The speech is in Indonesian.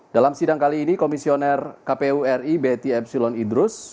dalam sidang kali ini komisioner kpu ri betty epsilon idrus